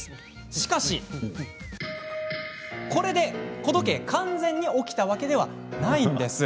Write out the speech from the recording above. しかしこれで子時計が完全に起きたわけではないんです。